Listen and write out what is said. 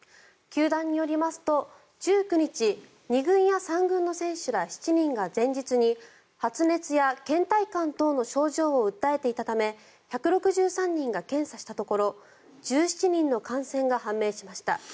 球団によりますと、１９日２軍や３軍の選手ら７人が前日に発熱やけん怠感等の症状を訴えていたため１６３人が検査したところ１７人の感染が判明しました。